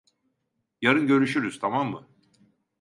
Yarın görüşürüz, tamam mı?